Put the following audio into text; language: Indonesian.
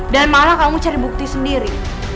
dan malah kamu cari bukti sendiri